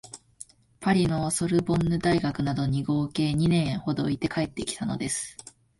パリのソルボンヌ大学などに合計二年ほどいて帰ってきたのです